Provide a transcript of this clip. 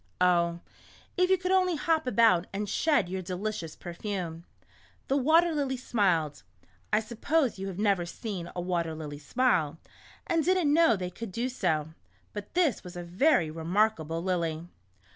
Oh, if you could only hop about and shed your delicious per fume." The Water Lily smiled (I suppose you have never seen a water lily smile, and did n't know they could do so, but this was a very re markable lily).